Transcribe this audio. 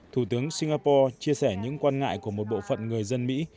thủ tướng singapore chia sẻ những quan ngại của một bộ phận người dân mỹ